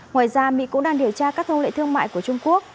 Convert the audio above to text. ngoài ra mỹ cũng đang điều tra các thông lệ thương mại của trung quốc